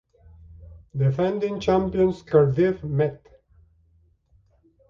Defending champions Cardiff Met.